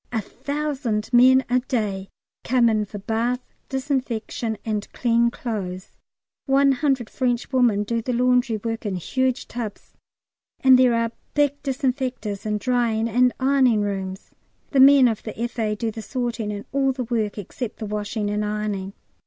A thousand men a day come in for bath, disinfection, and clean clothes; 100 French women do the laundry work in huge tubs, and there are big disinfectors and drying and ironing rooms. The men of the F.A. do the sorting and all the work except the washing and ironing.